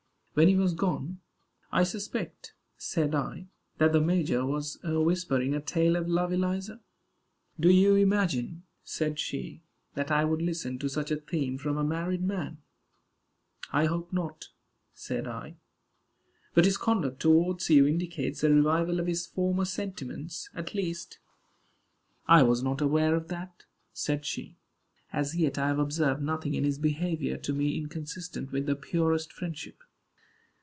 When he was gone, "I suspect," said I, "that the major was whispering a tale of love, Eliza." "Do you imagine," said she, "that I would listen to such a theme from a married man?" "I hope not," said I, "but his conduct towards you indicates a revival of his former sentiments, at least." "I was not aware of that," said she. "As yet I have observed nothing in his behavior to me inconsistent with the purest friendship."